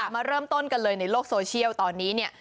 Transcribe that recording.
มาเริ่มต้นกันเลยในโลกโซเชียลตอนนี้เนี่ย